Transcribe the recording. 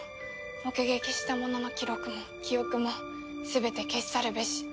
目撃した者の記録も記憶も全て消し去るべし。